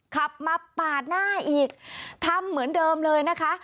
ขับมาปาดหน้าอีกทำเหมือนเดิมเลยนะคะ